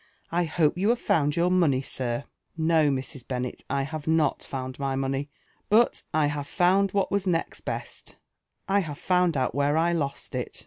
I hope you have found your money. Sir? *' No, Mrs. Bennet, I have not found my money, but I have found what was next best — I have found out where I lost it.